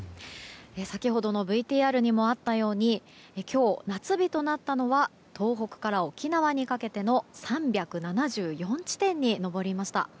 先ほどのＶＴＲにもあったように今日、夏日となったのは東北から沖縄にかけての３７４地点に上りました。